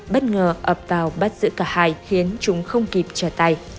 bất ngờ ập vào bắt giữ cả hai khiến chúng không kịp trở tay